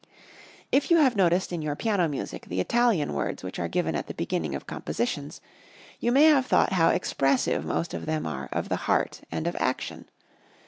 If you have noticed in your piano music the Italian words which are given at the beginning of compositions, you may have thought how expressive most of them are of the heart and of action.